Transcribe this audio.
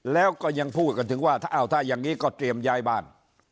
แล้วก็ยังพูดกันถึงว่าถ้าอ้าวถ้าอย่างนี้ก็เตรียมย้ายบ้าน